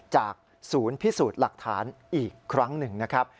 จากศูนย์พิสูจน์หลักฐานอีกครั้งหนึ่งนะครับ